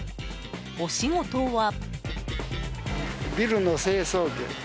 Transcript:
お仕事は？